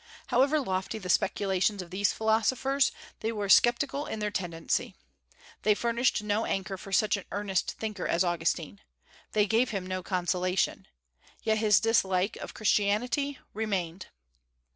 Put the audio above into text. However lofty the speculations of these philosophers, they were sceptical in their tendency. They furnished no anchor for such an earnest thinker as Augustine. They gave him no consolation. Yet his dislike of Christianity remained.